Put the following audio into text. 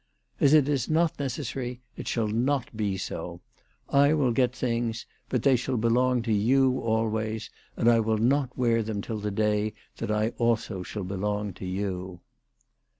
" As it is not necessary, it shall not be so. I will get things ; but they shall belong to you always ; and I will not wear them till the day that I also shall belong to you."